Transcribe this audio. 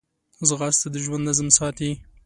ځغاسته د ژوند نظم ساتي